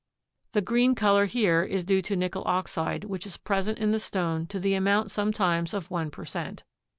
The green color here is due to nickel oxide which is present in the stone to the amount sometimes of one per cent.